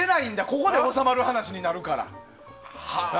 ここで収まる話だから。